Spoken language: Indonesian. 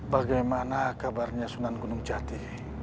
bagaimana kabarnya sunan gunung jati